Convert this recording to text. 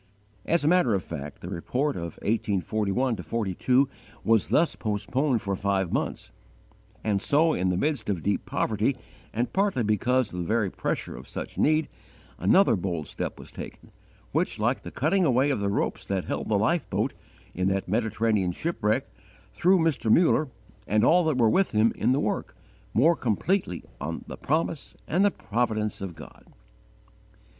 As a matter of fact the report of 1841 2 was thus postponed for five months; and so, in the midst of deep poverty and partly because of the very pressure of such need, another bold step was taken, which, like the cutting away of the ropes that held the life boat, in that Mediterranean shipwreck, threw Mr. Muller, and all that were with him in the work, more completely on the promise and the providence of God.